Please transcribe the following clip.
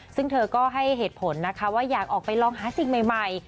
ซึ่งเธอก็ให้เหตุผลนะคะว่าอยากออกไปลองหาสิ่งใหม่